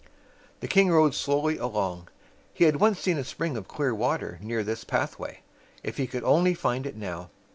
The king rode slowly along. He had once seen a spring of clear water near this path way. If he could only find it now!